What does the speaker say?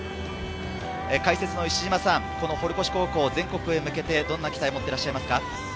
解説の石島さん、堀越高校、全国へ向けてどんな期待を持っていらっしゃいますか？